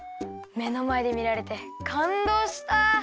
めのまえでみられてかんどうした。